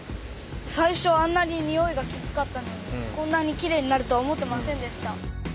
最初はあんなににおいがきつかったのにこんなにきれいになるとは思ってませんでした。